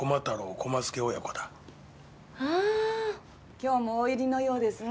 今日も大入りのようですね。